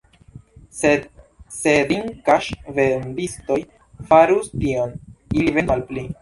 Sed se drinkaĵ-vendistoj farus tion, ili vendus malpli.